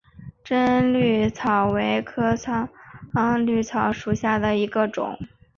滇葎草为桑科葎草属下的一个种。